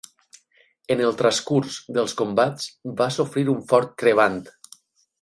En el transcurs dels combats va sofrir un fort crebant.